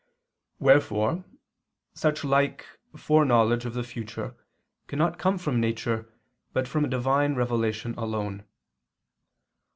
Wherefore such like foreknowledge of the future cannot come from nature, but from Divine revelation alone.